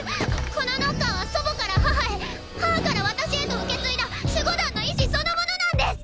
このノッカーは祖母から母へ母から私へと受け継いだ守護団の意志そのものなんです！